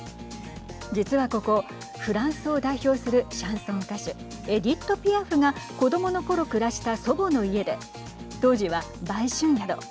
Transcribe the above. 実はここフランスを代表するシャンソン歌手エディット・ピアフが子どものころ暮らした祖母の家で当時は売春宿。